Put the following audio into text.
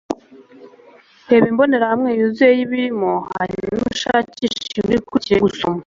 reba imbonerahamwe yuzuye yibirimo hanyuma ushakishe inkuru ikurikira yo gusoma